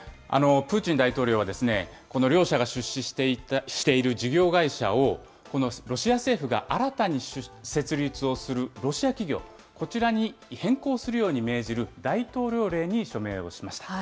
プーチン大統領は、この両社が出資している事業会社をこのロシア政府が新たに設立をするロシア企業、こちらに変更するように命じる大統領令に署名をしました。